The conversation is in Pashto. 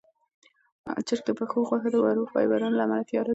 چرګ د پښو غوښه د ورو فایبرونو له امله تیاره ده.